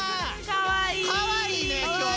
かわいいね今日！